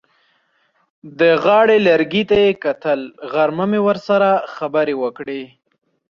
د غاړې لرګي ته یې کتل: غرمه مې ورسره خبرې وکړې.